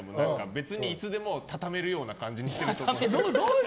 別にいつでも畳めるような感じにしていると思う。